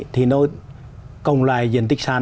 thì nó cộng lại diện tích sàn